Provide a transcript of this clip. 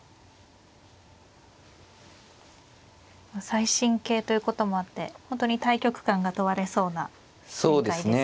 最新型ということもあって本当に大局観が問われそうな展開ですね。